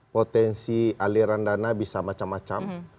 potensi aliran dana bisa macam macam